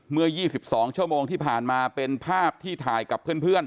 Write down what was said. เมื่อ๒๒ชั่วโมงที่ผ่านมาเป็นภาพที่ถ่ายกับเพื่อน